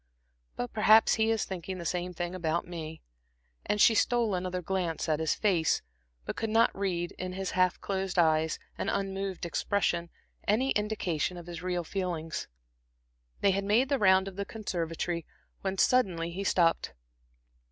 But perhaps he is thinking the same thing about me." And she stole another glance at his face, but could not read, in his half closed eyes and unmoved expression, any indication of his real feelings. They had made the round of the conservatory, when suddenly he stopped.